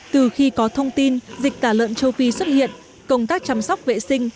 từ khi có thông tin dịch tả lợn châu phi xuất hiện công tác chăm sóc vệ sinh